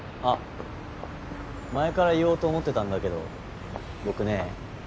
あっ前から言おうと思ってたんだけど僕ね